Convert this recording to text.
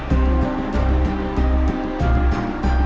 di kota alam